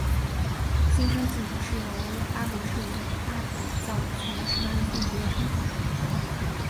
新生字母是由巴孛授予的巴比教前十八个信徒的称号。